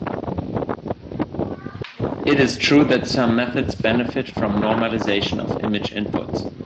It is true that some methods benefit from normalization of image inputs.